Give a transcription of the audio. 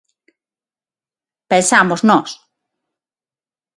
Pensamos nós.